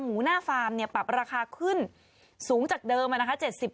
หมูหน้าฟาร์มเนี่ยปรับราคาขึ้นสูงจากเดิมอ่ะนะคะเจ็ดสิบ